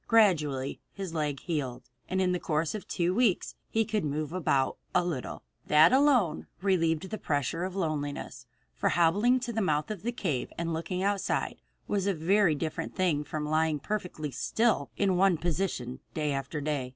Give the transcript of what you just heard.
Gradually his leg healed, and in the course of two weeks he could move about a little. That alone relieved the pressure of loneliness, for hobbling to the mouth of the cave and looking outside was a very different thing from lying perfectly still in one position day after day.